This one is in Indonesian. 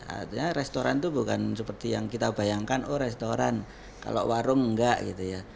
artinya restoran itu bukan seperti yang kita bayangkan oh restoran kalau warung enggak gitu ya